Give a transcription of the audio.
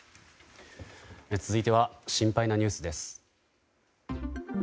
続いては心配なニュースです。